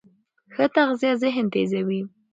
ښه تغذیه ذهن تېزوي.